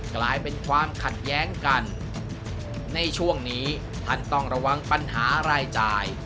กลายเป็นความขัดแย้งกันในช่วงนี้ท่านต้องระวังปัญหารายจ่าย